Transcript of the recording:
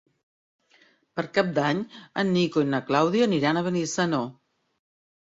Per Cap d'Any en Nico i na Clàudia aniran a Benissanó.